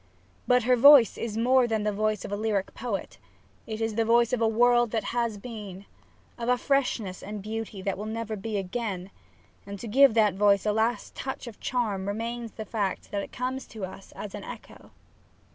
But her voice is more than the voice of a lyric poet, it is the voice of a world that has been, of a freshness and beauty that will never be again, and to give that voice a last touch of charm remains the fact that it comes to us as an echo.